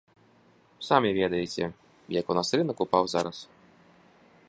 Самі ведаеце, як у нас рынак упаў зараз.